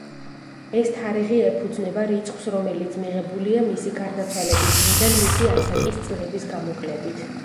ეს თარიღი ეფუძნება რიცხვს, რომელიც მიღებულია მისი გარდაცვალების დღიდან მისი ასაკის წლების გამოკლებით.